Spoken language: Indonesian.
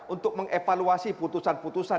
untuk mengevaluasi putusan putusan